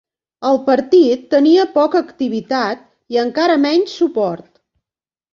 El partit tenia poca activitat i encara menys suport.